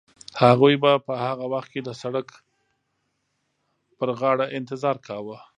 هغوی به په هغه وخت کې د سړک پر غاړه انتظار کاوه.